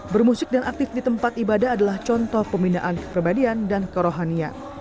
bermusik dan aktif di tempat ibadah adalah contoh pembinaan kepribadian dan kerohanian